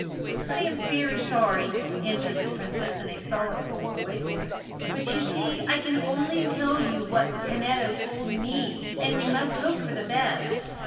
"I am very sorry," answered the princess in a sorrowful voice, "but you see I can only tell you what Canetto told me, and we must hope for the best.